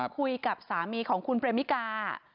คุยกับสามีของคุณเปรมมิกา